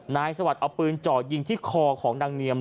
นายสวัสดิ์เอาปืนจ่อจิงที่ครอของดังเนียม